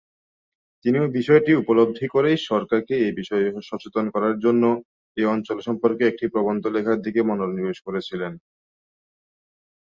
তিনি বিষয়টি উপলব্ধি করে সরকারকে এ বিষয়ে সচেতন করার জন্য এ অঞ্চল সম্পর্কে একটি প্রবন্ধ লেখার দিকে মনোনিবেশ করেছিলেন।